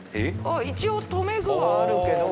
一応とめ具はあるけど。